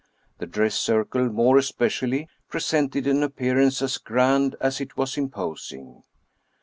The dress circle, more especially, presented an appearance as grand as it was imposing.